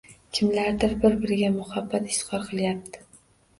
Kimlardir bir-biriga muhabbat izhor qilyapti